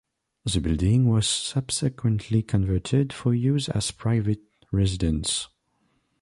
The building was subsequently converted for use as private residence.